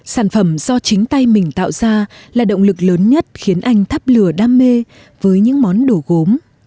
sản phẩm do chính tay mình tạo ra là động lực lớn nhất khiến anh thắp lửa đam mê với những món đồ gốm